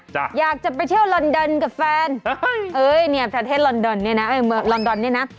จ้ะอยากจะไปเที่ยวลอนดนกับแฟนเนี่ยประเทศลอนดนนี่นะเอ่ยลอนดนนี่นะ